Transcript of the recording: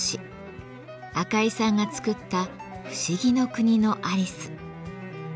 赤井さんが作った「不思議の国のアリス」。